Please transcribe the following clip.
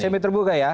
semi terbuka ya